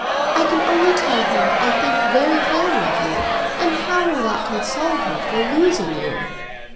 I can only tell her I think very highly of you; and how will that console her for losing you?"